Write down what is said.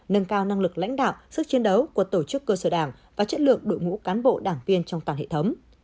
nâng cao năng lực lãnh đạo sức chiến đấu của tổ chức cơ sở đảng và chất lượng đội ngũ cán bộ đảng viên trong toàn hệ thống